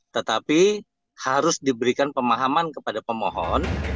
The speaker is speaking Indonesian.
tetapi harus diberikan pemahaman kepada pemohon